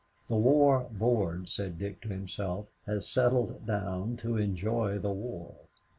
The War Board, said Dick to himself, has settled down to enjoy the war.